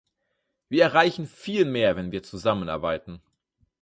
Wir erreichen viel mehr, wenn wir zusammenarbeiten.